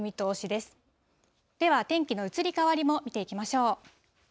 では、天気の移り変わりも見ていきましょう。